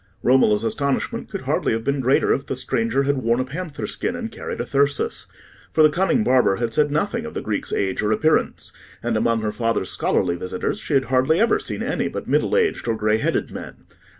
Romola's astonishment could hardly have been greater if the stranger had worn a panther skin and carried a thyrsus; for the cunning barber had said nothing of the Greek's age or appearance; and among her father's scholarly visitors, she had hardly ever seen any but middle aged or grey headed men.